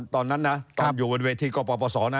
ตอนนั้นนะตอนอยู่บนเวทีก็ปปศนะ